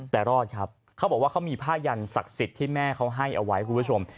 แต่รอดครับเขาบอกว่าเขามีผ้ายันศักดิ์สิทธิ์ที่แม่เขาให้เอาไว้คุณผู้ชม